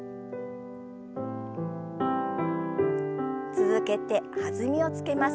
続けて弾みをつけます。